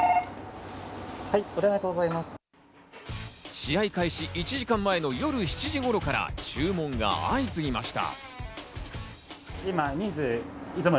試合開始１時間前の夜７時頃から注文が相次ぎました。